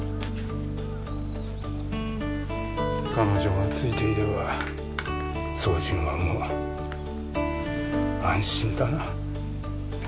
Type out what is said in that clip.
彼女がついていれば宗純はもう安心だな。